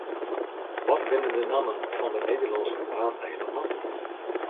Wat binne de nammen fan de Nederlânske Waadeilannen?